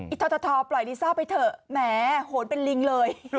ททปล่อยลิซ่าไปเถอะแหมโหนเป็นลิงเลย